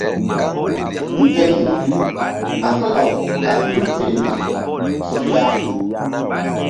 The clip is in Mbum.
Ŋgermu ɓaŋ law kan tul fe nzuk su ya.